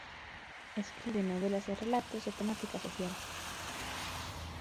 Escribe novelas e relatos de temática social.